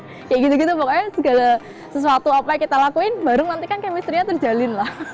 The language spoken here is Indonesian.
kayak gitu gitu pokoknya segala sesuatu apa yang kita lakuin bareng nanti kan kemistriannya terjalinlah